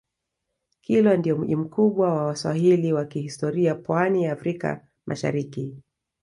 kilwa ndio mji mkubwa wa waswahili wa kihistoria pwani ya afrika mashariki